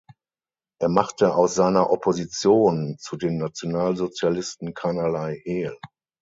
Er machte aus seiner Opposition zu den Nationalsozialisten keinerlei Hehl.